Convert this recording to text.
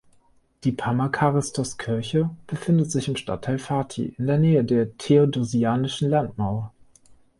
Die Pammakaristos-Kirche befindet sich im Stadtteil Fatih, in der Nähe der Theodosianischen Landmauer.